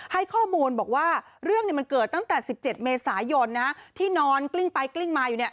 ให้ข้อมูลบอกว่าเรื่องมันเกิดตั้งแต่๑๗เมษายนที่นอนกลิ้งไปกลิ้งมาอยู่เนี่ย